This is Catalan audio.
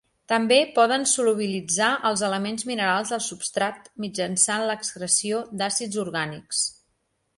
També poden solubilitzar els elements minerals del substrat mitjançant l'excreció d'àcids orgànics.